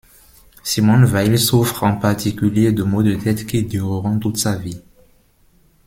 Simone Weil souffre en particulier de maux de tête qui dureront toute sa vie.